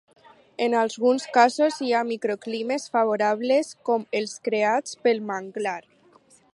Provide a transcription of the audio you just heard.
En alguns casos hi ha microclimes favorables com els creats pel manglar.